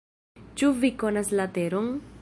Ĉu vi konas la teron?